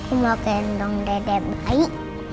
aku mau gendong dedek bayi